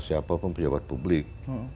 siapapun pejabat publik